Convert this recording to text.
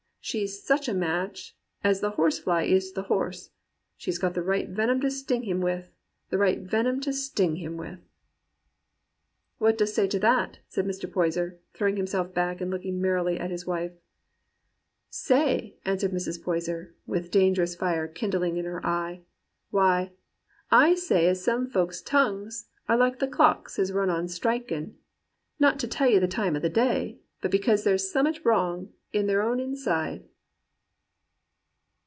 She's such a match as the horsefly is to th' horse: she's got the right venom to sting him with — the right venom to sting him with.' "'What dost say to that.?' said Mr. Poyser, throwing himself back and looking merrily at his wife. 156 GEORGE ELIOT AND REAL WOMEN "*Say!' answered Mrs. Poyser, with dangerous fire kindling in her eye; 'why, I say as some folks' tongues are like the clocks as run on strikin\ not to tell you the time o' the day, but because there's summat wrong i' their own inside.